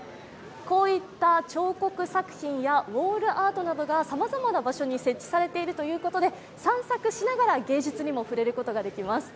こういった彫刻作品やウォールアートなどがさまざまな場所に設置されているということで散策しながら芸術にも触れることができます。